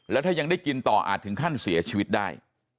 แล้วถ้ายังได้กินต่ออาจถึงขั้นเสียชีวิตได้